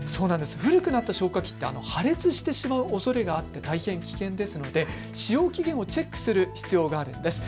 古くなった消火器って破裂してしまうおそれがあって大変危険ですので使用期限をチェックする必要があるんです。